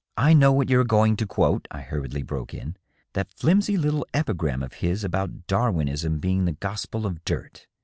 .• "I know what you are going to quote," I hurriedly broke in. " That flimsy little epigram of his about Darwinism being the gospel of dirt.